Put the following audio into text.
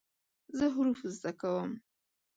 زه حروف زده کوم.